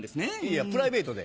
いやプライベートで。